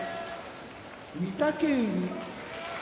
御嶽海